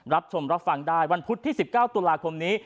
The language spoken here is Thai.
รับชมรับฟังได้วันพุธที่๑๙ตุลาคมนี้